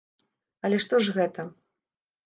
Але што ж гэта?